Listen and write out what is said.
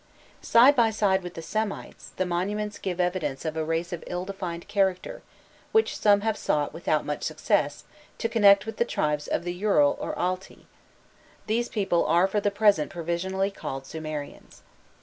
Side by side with these Semites, the monuments give evidence of a race of ill defined character, which some have sought, without much success, to connect with the tribes of the Urall or Altai; these people are for the present provisionally called Sumerians.